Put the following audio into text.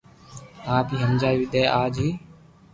آپ ھي ھمجاوي دي اج ھي